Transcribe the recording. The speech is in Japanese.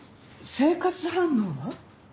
生活反応？